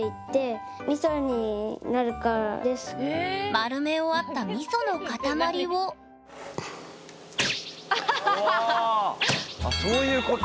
丸め終わったみその塊をあそういうこと。